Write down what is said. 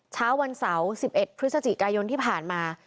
เช้าวันเสาร์๑๑พฤศจิกายนที่ผ่านมา